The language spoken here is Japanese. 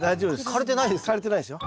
枯れてないでしょ。